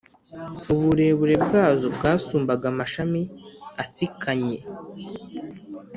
uburebure bwazo bwasumbaga amashami atsikanye